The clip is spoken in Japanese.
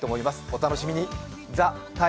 お楽しみに。